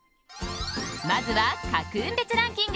まずは各運別ランキング。